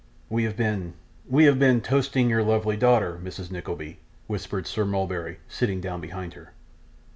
'We have been we have been toasting your lovely daughter, Mrs Nickleby,' whispered Sir Mulberry, sitting down behind her.